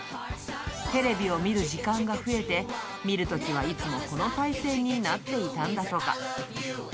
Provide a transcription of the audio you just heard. テレビを見る時間が増えて、見るときはいつもこの体勢になっていたんだとか。